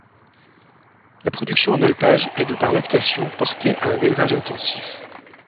La production en alpage est de par lactation, portée à en élevage intensif.